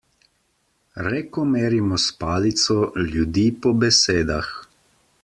Reko merimo s palico, ljudi po besedah.